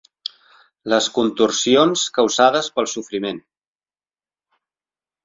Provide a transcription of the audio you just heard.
Les contorsions causades pel sofriment.